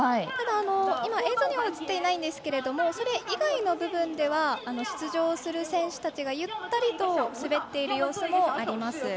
ただ、今映像には映っていないんですがそれ以外の部分では出場する選手たちがゆったりと滑っている様子もあります。